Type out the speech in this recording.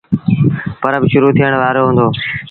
پرٻ شروٚ ٿيڻ وآرو هُݩدو